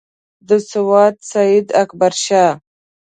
د سوات سیداکبرشاه.